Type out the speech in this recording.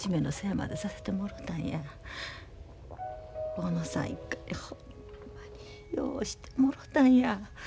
小野さん一家にほんまにようしてもろたんや。